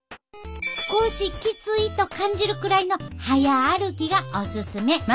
少しきついと感じるくらいの早歩きがおすすめ。